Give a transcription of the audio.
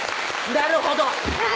なるほど！